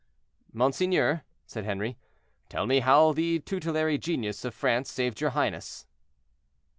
"Monseigneur," said Henri, "tell me how the tutelary genius of France saved your highness."